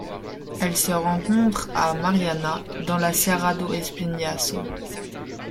Elle se rencontre à Mariana dans la Serra do Espinhaço.